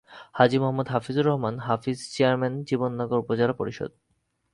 Haji Mohammad Hafizur Rahman Hafiz chairman Jibannagar Upazila Parishad.